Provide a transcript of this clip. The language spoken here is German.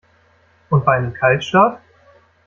Und bei einem Kaltstart?